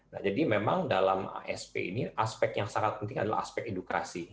nah jadi memang dalam asp ini aspek yang sangat penting adalah aspek edukasi